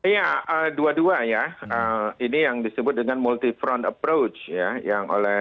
iya dua dua ya ini yang disebut dengan multi front approach ya